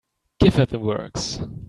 Give her the works.